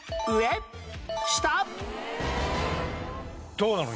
どうなの？